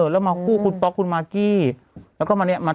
แล้วมาคู่คุณป๊อกคุณมากกี้